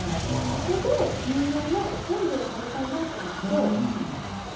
そこで有名なおせんべいを食べたいなと思って。